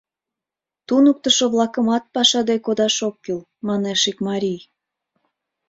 Туныктышо-влакымат пашаде кодаш ок кӱл, — манеш ик марий.